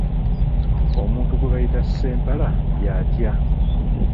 Omuntu gwe bayita Ssempala y'atya?